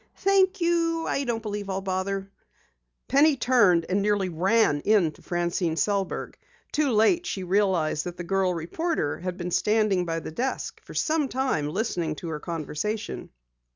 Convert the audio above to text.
"Thank you, I don't believe I'll bother." Penny turned and nearly ran into Francine Sellberg. Too late, she realized that the girl reporter probably had been standing by the desk for some time, listening to her conversation.